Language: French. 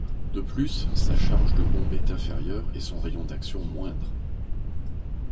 De plus, sa charge de bombes est inférieure et son rayon d'action moindre.